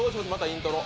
イントロ？